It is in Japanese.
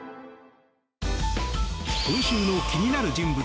今週の気になる人物